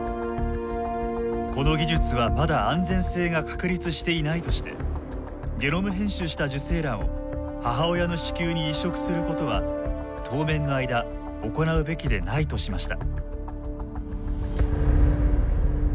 この技術はまだ安全性が確立していないとしてゲノム編集した受精卵を母親の子宮に移植することは当面の間行うべきでないとしました。